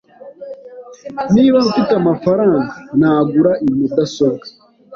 Niba mfite amafaranga, nagura iyi mudasobwa.